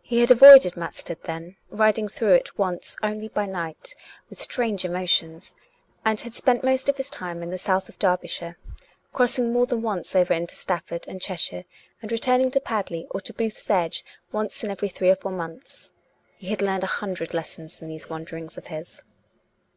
He had avoided Matstead then — riding through it once only by night, with strange emotions — and had spent most of his time in the south of Derbyshire, crossing more than once over into Stafford and Chester, and returning to Pad ley or to Booth's Edge once in every three or four months. He had learned a hundred lessons in these wanderings of his.